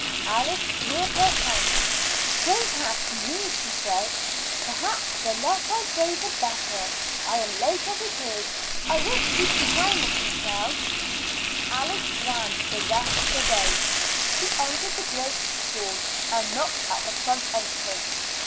Alice threw up her hands. "Don't ask me," she said; "perhaps the less I say the better. I am late as it is. I won't keep you now, Miss Purcell." Alice ran the rest of the way. She entered the great school, and knocked at the front entrance.